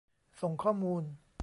ส่งข้อมูล